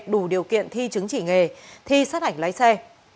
đủ điều kiện thi chứng chỉ nghề thi sát hạch lái xe